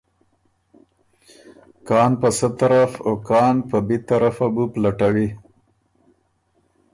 کان په سۀ طرف او کان په بی طرفه بُو پلټوی۔